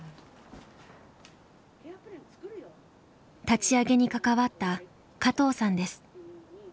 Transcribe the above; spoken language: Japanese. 立ち上げに関わった加藤さんです。